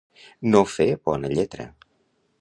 No fer bona lletra.